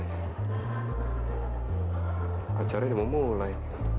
pacarnya mau mulai